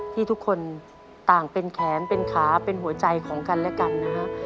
ที่ทุกคนต่างเป็นแขนเป็นขาเป็นหัวใจของกันและกันนะฮะ